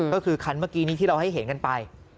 ก็คือคันเมื่อกี้นี้ที่เราให้เห็นกันไป